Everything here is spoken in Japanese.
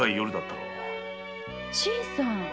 新さん。